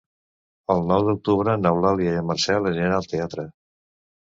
El nou d'octubre n'Eulàlia i en Marcel aniran al teatre.